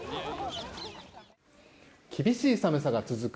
厳しい寒さが続く